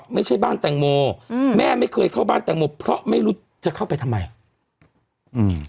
ไม่ใช่บ้านแตงโมอืมแม่ไม่เคยเข้าบ้านแตงโมเพราะไม่รู้จะเข้าไปทำไมอืม